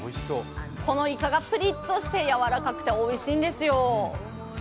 このイカがプリッとして柔らかくておいしいんですよ。